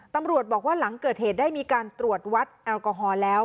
ตำรวจบอกว่าหลังเกิดเหตุได้มีการตรวจวัดแอลกอฮอล์แล้ว